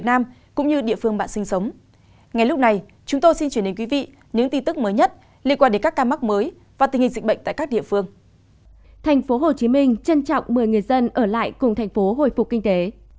thành phố hồ chí minh trân trọng mời người dân ở lại cùng thành phố hồi phục kinh tế